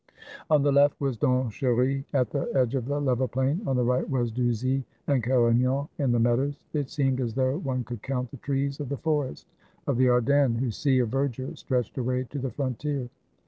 On 403 FRANCE the left was Donchery, at the edge of the level plain ; on the right were Douzy and Carignan in the meadows. It seemed as though one could count the trees of the Forest of the Ardennes, whose sea of verdure stretched away to the frontier.